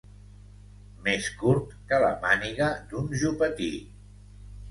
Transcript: Més curt que la màniga d'un jupetí.